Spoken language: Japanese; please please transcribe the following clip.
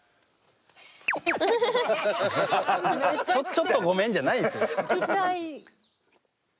「ちょっとごめん」じゃないんですよ。